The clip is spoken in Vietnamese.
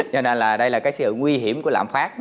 cho nên là đây là cái sự nguy hiểm của lạm phát